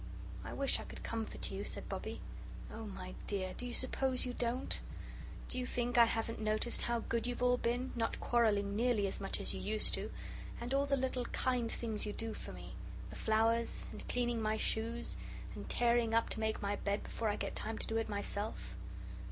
"I wish I could comfort you," said Bobbie. "Oh, my dear, do you suppose you don't? Do you think I haven't noticed how good you've all been, not quarrelling nearly as much as you used to and all the little kind things you do for me the flowers, and cleaning my shoes, and tearing up to make my bed before I get time to do it myself?"